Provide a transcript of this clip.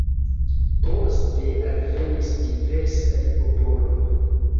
Poste alvenis diversaj popoloj.